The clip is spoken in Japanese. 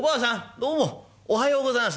どうもおはようございます。